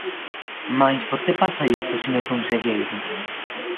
Mais ¿por que pasa isto, señor conselleiro?